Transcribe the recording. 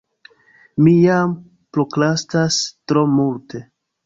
Mi jam prokrastas tro multe